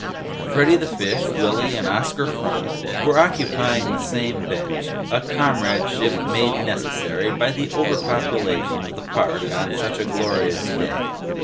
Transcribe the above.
Freddy the Fish, Willy and Oscar Fronk were occupying the same bench, a comradeship made necessary by the overpopulation of the park on such a glorious day.